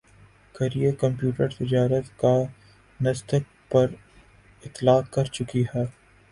کَرئے computer تجارت کا نسدق پر اطلاق کر چکی ہے